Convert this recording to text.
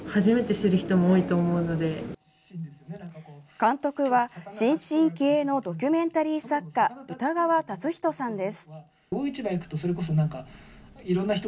監督は新進気鋭のドキュメンタリー作家歌川達人さんです。